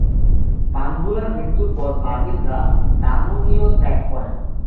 বান্দুলার মৃত্যুর পর বার্মিজরা দানুবিউ ত্যাগ করে।